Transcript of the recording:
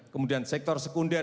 kemudian sektor sekunder